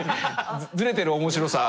ズレてる面白さ。